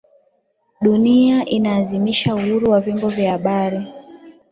Dunia inaadhimisha uhuru wa vyombo vya habari